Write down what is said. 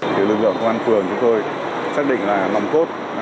thì lực lượng của công an phường chúng tôi chắc định là hòm cốt